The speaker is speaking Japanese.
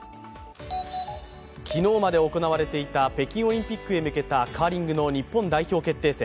昨日まで行われていた北京オリンピックへ向けたカーリングの日本代表決定戦。